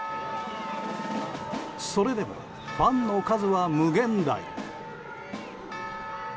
それでもファンの数は無限大。